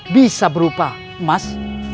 bisa berupa emas